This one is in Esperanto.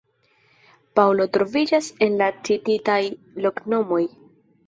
Paŭlo troviĝas en la cititaj loknomoj.